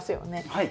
はい。